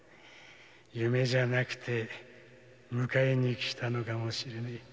夢じゃなくて迎えにきたのかもしれねぇ。